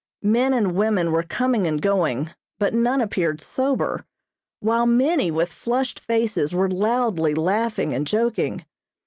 Men and women were coming and going, but none appeared sober, while many with flushed faces were loudly laughing and joking.